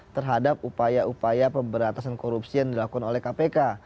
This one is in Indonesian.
terhadap upaya upaya pemberantasan korupsi yang dilakukan oleh kpk